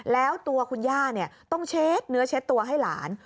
แล้วตัวคุณย่าต้องเช็ดเนื้อเช็ดตัวให้หลาน